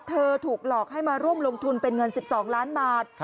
ถูกหลอกให้มาร่วมลงทุนเป็นเงิน๑๒ล้านบาท